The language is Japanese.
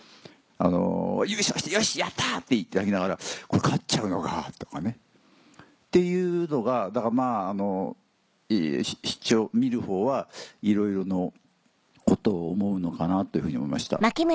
優勝して「よしやった！」って言って泣きながら「これ勝っちゃうのか」とかね。っていうのが見るほうはいろいろなことを思うのかなというふうに思いました。